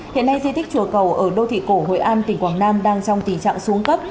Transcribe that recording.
hiện nay di tích chùa cầu ở đô thị cổ hội an tỉnh quảng nam đang trong tình trạng xuống cấp